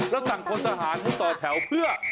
แล้วสั่งพลทหารมาต่อแถวเพื่อ